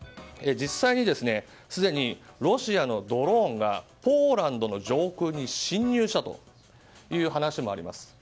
実際にすでにロシアのドローンがポーランドの上空に侵入したという話もあります。